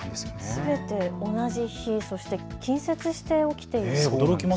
すべて同じ日、そして近接して起きているんですね。